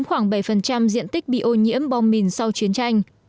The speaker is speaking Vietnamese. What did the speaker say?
trăm diện tích bị ô nhiễm bom mìn sau chiến tranh